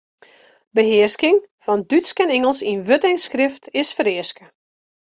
Behearsking fan Dútsk en Ingelsk yn wurd en skrift is fereaske.